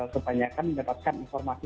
kebanyakan mendapatkan informasi